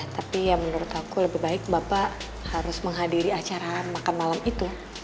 tapi ya menurut aku lebih baik bapak harus menghadiri acara makan malam itu